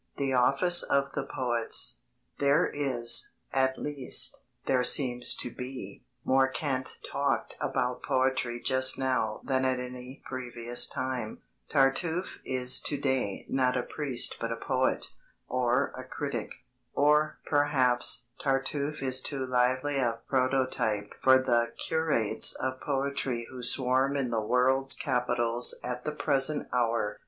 THE OFFICE OF THE POETS There is at least, there seems to be more cant talked about poetry just now than at any previous time. Tartuffe is to day not a priest but a poet or a critic. Or, perhaps, Tartuffe is too lively a prototype for the curates of poetry who swarm in the world's capitals at the present hour.